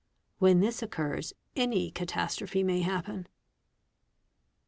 When this occurs, any catastrophe may happen.